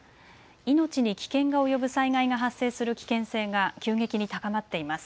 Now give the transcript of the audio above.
命に危険が及ぶ災害が発生する危険性が急激に高まっています。